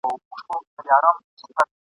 او له دغه امله یې ..